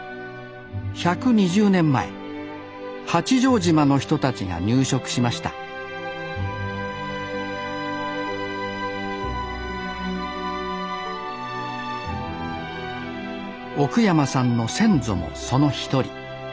１２０年前八丈島の人たちが入植しました奥山さんの先祖もその一人。